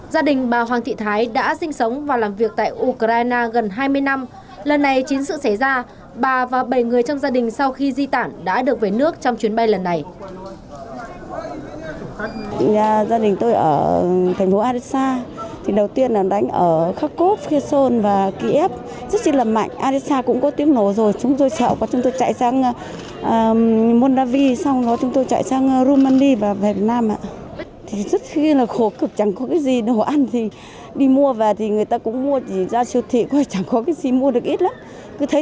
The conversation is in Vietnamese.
gia đình bà hoàng thị thái đã sinh sống và làm việc tại ukraine gần hai mươi năm lần này chính sự xảy ra bà và bảy người trong gia đình sau khi di tản đã được về nước trong chuyến bay lần này